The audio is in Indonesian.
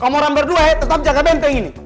kamu orang berdua ya tetap jaga benteng ini